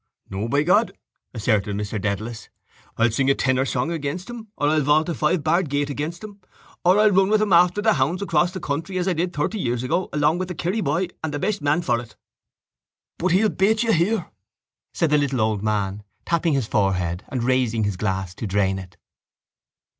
—No, by God! asserted Mr Dedalus. I'll sing a tenor song against him or I'll vault a five barred gate against him or I'll run with him after the hounds across the country as I did thirty years ago along with the Kerry Boy and the best man for it. —But he'll beat you here, said the little old man, tapping his forehead and raising his glass to drain it.